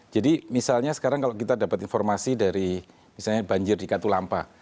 jadi misalnya sekarang kalau kita dapat informasi dari misalnya banjir di katulampa